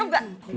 wah cakep gak